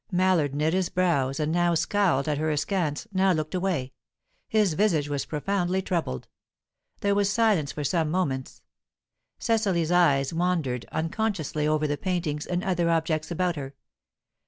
Mallard knit his brows, and now scowled at her askance, now looked away. His visage was profoundly troubled. There was silence for some moments. Cecily's eyes wandered unconsciously over the paintings and other objects about her.